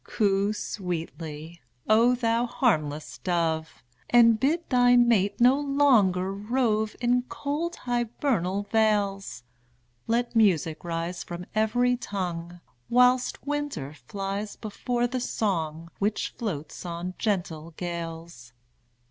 Coo sweetly, O thou harmless dove, And bid thy mate no longer rove In cold hybernal vales! Let music rise from every tongue, Whilst winter flies before the song Which floats on gentle gales.